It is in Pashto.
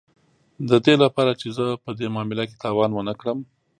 د دې لپاره چې زه په دې معامله کې تاوان ونه کړم